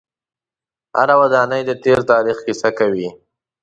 هره ودانۍ د تیر تاریخ کیسه کوي.